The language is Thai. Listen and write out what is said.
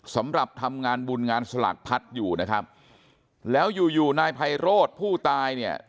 สำหรับทำงานบุญงานสลักพัดอยู่นะครับแล้วอยู่อยู่นายไพโรธผู้ตายเนี่ย